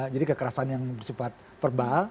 jadi kekerasan yang bersifat perbal